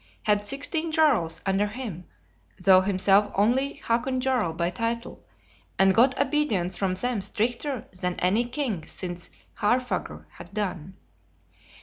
Had sixteen Jarls under him, though himself only Hakon Jarl by title; and got obedience from them stricter than any king since Haarfagr had done.